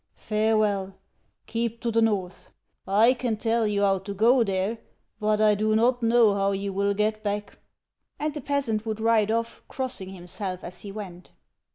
Farewell. Keep to the north ! I can tell you how to go there, but 1 do not know how you will get back." And the peasant would ride off, crossing himself as he went.